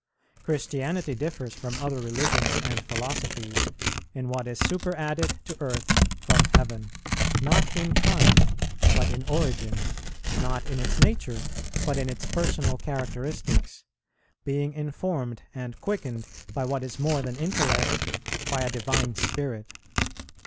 Christianity differs from other religions and philosophies, in what is superadded to earth from heaven; not in kind, but in origin; not in its nature, but in its personal characteristics; being informed and quickened by what is more than intellect, by a divine spirit.